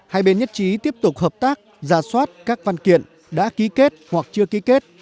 hai bên nhất trí tiếp tục hợp tác ra soát các văn kiện đã ký kết hoặc chưa ký kết